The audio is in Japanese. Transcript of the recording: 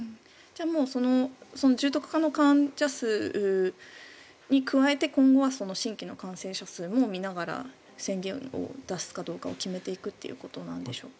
もう重篤化の患者数に加えて今後は新規の感染者数も見ながら宣言を出すかどうかを決めていくということでしょうか？